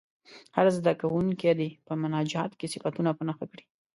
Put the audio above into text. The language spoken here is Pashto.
هر زده کوونکی دې په مناجات کې صفتونه په نښه کړي.